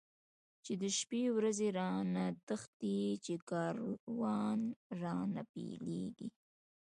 چی شپی ورځی را نه تښتی، چی کاروان را نه بیلیږی